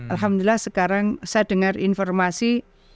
alhamdulillah sekarang saya dengar informasi